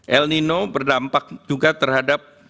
el nino berdampak juga terhadap